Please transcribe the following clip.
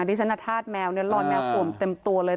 ดิจันทราชแมวนี่รอนแมวขวนเต็มตัวเลย